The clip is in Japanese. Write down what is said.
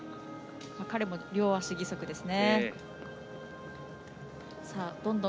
彼も両足義足ですね。